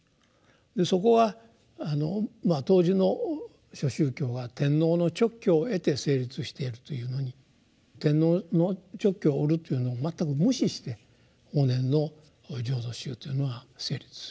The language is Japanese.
でそこは当時の諸宗教は天皇の勅許を得て成立しているというのに天皇の勅許を得るというのを全く無視して法然の「浄土宗」というのは成立すると。